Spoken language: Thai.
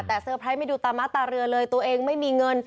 แต่เตอร์ไพรส์ไม่ดูตามะตาเรือเลยตัวเองไม่มีเงิน